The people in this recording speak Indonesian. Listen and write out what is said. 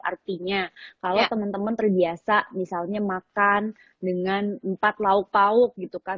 artinya kalau teman teman terbiasa misalnya makan dengan empat lauk pauk gitu kan